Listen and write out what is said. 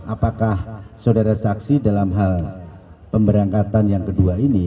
apakah saudara saksi dalam hal pemberangkatan yang kedua ini